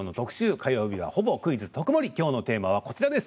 火曜日は「クイズとくもり」きょうのテーマは、こちらです。